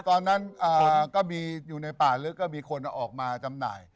ตอนนั้นก็มีอยู่ในป่าลึกก็มีคนออกมาจำหน่าย